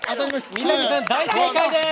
三谷さん、大正解です！